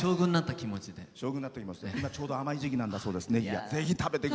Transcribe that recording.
今ちょうど甘い時期なんだそうです。